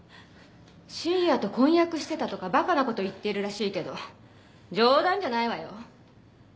信也と婚約してたとかバカなこと言ってるらしいけど冗談じゃないわよ。